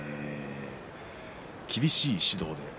厳しい指導で。